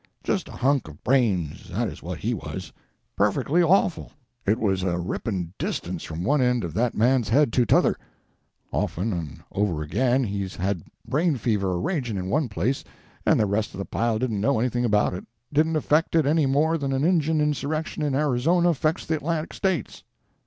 Just a hunk of brains that is what he was. Perfectly awful. It was a ripping distance from one end of that man's head to t'other. Often and over again he's had brain fever a raging in one place, and the rest of the pile didn't know anything about it didn't affect it any more than an Injun insurrection in Arizona affects the Atlantic States.